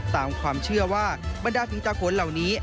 ตามความเชื่อว่าบรรดาผีตาโขนเหล่านี้